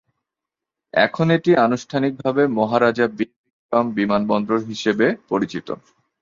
এখন এটি আনুষ্ঠানিকভাবে মহারাজা বীর বিক্রম বিমানবন্দর হিসাবে পরিচিত।